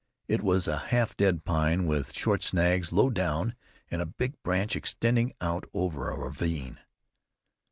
It was a half dead pine with short snags low down and a big branch extending out over a ravine.